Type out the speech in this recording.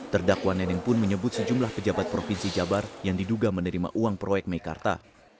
terdakwa neneng pun menyebut sejumlah pejabat provinsi jabar yang diduga menerima uang proyek meikarta